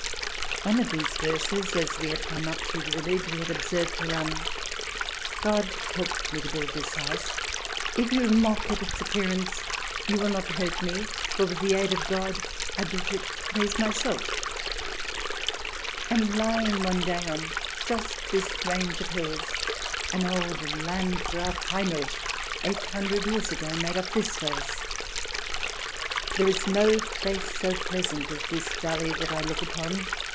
One of these verses as we had come up through the village we had observed to run :" God helped me to build this house. If you mock at its appearance you will not hurt me, for with the aid of God I built it to please myself." And lying one day on just * By Ford Madox Hueffer. aio CH. XVI] SUBJECT RACES 211 this range of hills an old Landgraf Heinrich eight hundred years ago made up this verse: "There is no place so pleasant as this valley that I look upon.